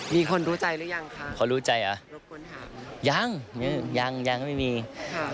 มีคนรู้ใจหรือยังค่ะคนรู้ใจอ่ะยังยังยังไม่มีค่ะ